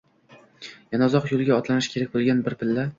Yana uzoq yoʻlga otlanishi kerak boʻlgan bir palla.